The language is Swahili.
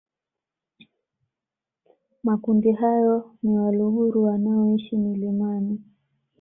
Makundi hayo ni Waluguru wanaoishi milimani